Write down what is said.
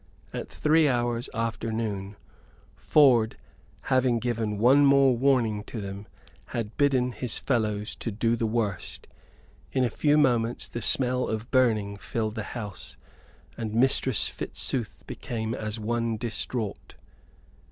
At three hours after noon, Ford, having given one more warning to them, had bidden his fellows do the worst. In a few moments the smell of burning filled the house; and Mistress Fitzooth became as one distraught.